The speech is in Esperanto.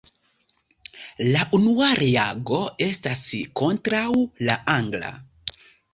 La unua reago estas kontraŭ la angla.